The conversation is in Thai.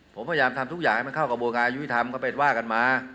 ผมพยายามทำทุกอย่างให้มันเข้ากระบวนการยุทธรรมก็ไปว่ากันมา